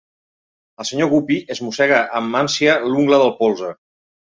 El senyor Guppy es mossega amb ànsia l'ungla del polze.